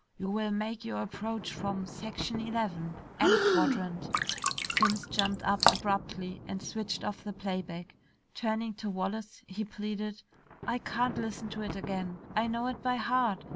You will make your approach from section eleven, M quadrant " Simms jumped up abruptly and switched off the playback. Turning to Wallace, he pleaded, "I can't listen to it again! I know it by heart.